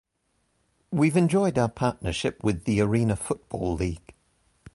We've enjoyed our partnership with the Arena Football League.